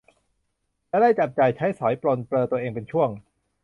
จะได้จับจ่ายใช้สอยปรนเปรอตัวเองเป็นช่วง